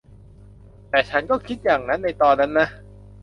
แต่ฉันก็คิดอย่างนั้นในตอนนั้นนะ